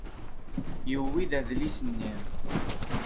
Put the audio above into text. Yewwi-a?-d adlis-nni.